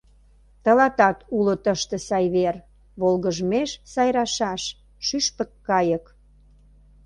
Тылатат уло тыште сай вер Волгыжмеш сайрашаш, шӱшпык кайык!